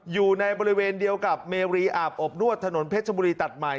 อยู่ในบริเวณเดียวกับเมรีอาบอบนวดถนนเพชรบุรีตัดใหม่